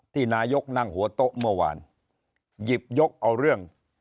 นายกนั่งหัวโต๊ะเมื่อวานหยิบยกเอาเรื่อง